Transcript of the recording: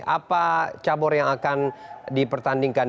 apa cabur yang akan dipertandingkan